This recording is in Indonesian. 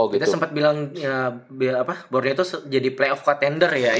kita sempet bilang ya apa borneo tuh jadi playoff contender ya